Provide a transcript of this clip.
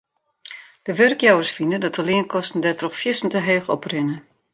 De wurkjouwers fine dat de leankosten dêrtroch fierstente heech oprinne.